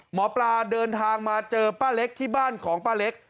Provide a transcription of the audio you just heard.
หมอปลาเดินทางมาเจอป้าเล็กที่บ้านของป้าเล็ก